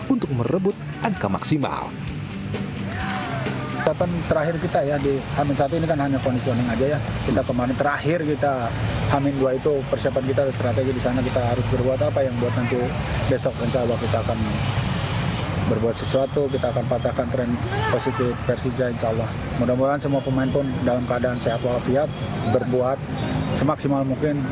untuk merebut angka maksimal